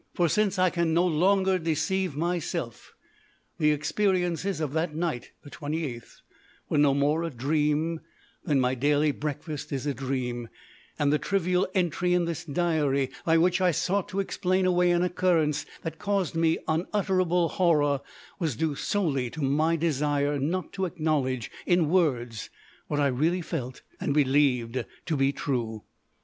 For since I can no longer deceive myself the experiences of that night (28th) were no more a dream than my daily breakfast is a dream; and the trivial entry in this diary by which I sought to explain away an occurrence that caused me unutterable horror was due solely to my desire not to acknowledge in words what I really felt and believed to be true.